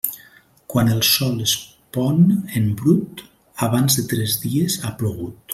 Quan el sol es pon en brut, abans de tres dies ha plogut.